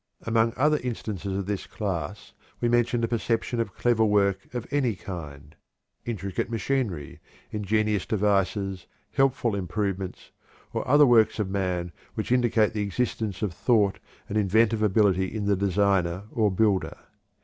Among other instances of this class we mention the perception of clever work of any kind, intricate machinery, ingenious devices, helpful improvements, or other works of man which indicate the existence of thought and inventive ability in the designer or builder.